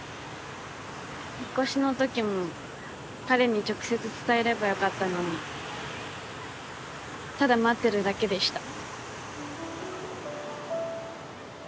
引っ越しの時も彼に直接伝えればよかったのにただ待ってるだけでした。